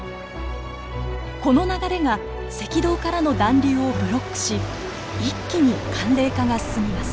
この流れが赤道からの暖流をブロックし一気に寒冷化が進みます。